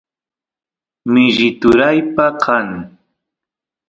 mishi turaypa kan